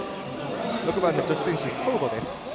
６番の女子選手、スコウボです。